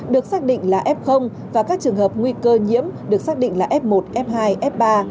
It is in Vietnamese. được xác định là f và các trường hợp nguy cơ nhiễm được xác định là f một f hai f ba